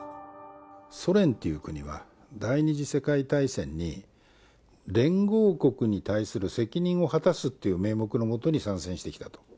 ソ連っていう国は、第２次世界大戦に連合国に対する責任を果たすっていう名目のもとに参戦してきたと。